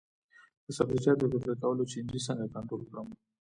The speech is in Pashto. د سبزیجاتو د پرې کولو چینجي څنګه کنټرول کړم؟